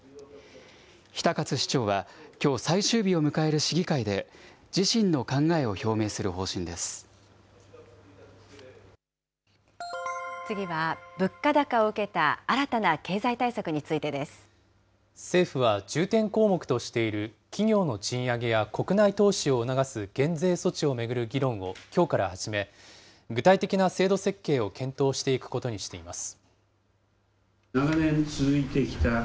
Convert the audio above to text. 比田勝市長はきょう最終日を迎える市議会で、次は、物価高を受けた新たな経済対策についてです。政府は重点項目としている企業の賃上げや国内投資を促す減税措置を巡る議論をきょうから始め、具体的な制度設計を検討していくことにしています。